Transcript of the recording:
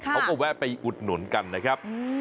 เขาก็แวะไปอุดหนุนกันนะครับ